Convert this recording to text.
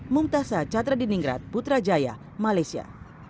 mumtazah chandra diningrat putrajaya malaysia